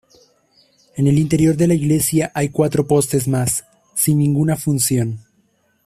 En el interior de la iglesia hay cuatro postes más, sin ninguna función.